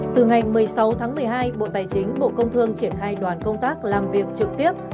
từ ngày một mươi sáu tháng một mươi hai bộ tài chính bộ công thương triển khai đoàn công tác làm việc trực tiếp